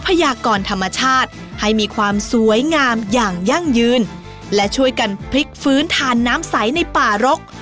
พยากรธรรมชาติให้มีความสวยงามอย่างยั่งยืนและช่วยกันพลิกฟื้นทานน้ำใสในป่ารก